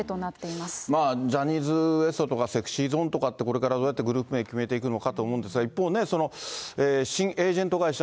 まあ、ジャニーズＷＥＳＴとか、ＳｅｘｙＺｏｎｅとかって、これからどうやってグループ名決めていくのかと思うんですが、一方ね、新エージェント会社？